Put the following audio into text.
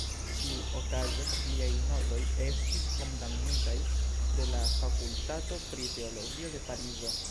Ĉiuokaze, liaj notoj estis kondamnitaj de la Fakultato pri Teologio de Parizo.